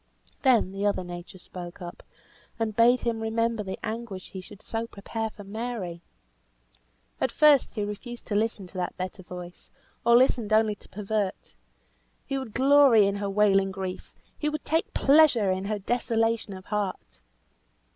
Then the other nature spoke up, and bade him remember the anguish he should so prepare for Mary! At first he refused to listen to that better voice; or listened only to pervert. He would glory in her wailing grief! he would take pleasure in her desolation of heart!